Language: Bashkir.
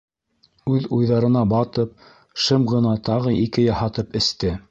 Үҙ уйҙарына батып, шым ғына тағы ике яһатып эсте.